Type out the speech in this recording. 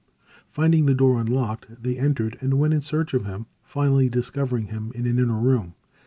Finding the door unlocked, they entered and went in search of him, finally discovering him in an inner room.